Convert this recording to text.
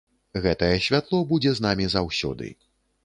Гэтае святло будзе з намі заўсёды.